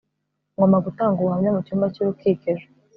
ngomba gutanga ubuhamya mu cyumba cy'urukiko ejo